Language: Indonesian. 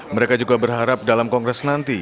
mereka juga berharap dalam kongres nanti